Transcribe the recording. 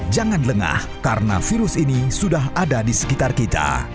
jangan lengah karena virus ini sudah ada di sekitar kita